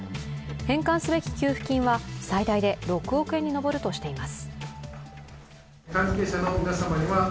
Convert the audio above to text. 返還すべき給付金は最大で６億円に上るとしています。